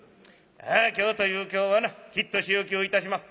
ああ今日という今日はなきっと仕置きをいたします。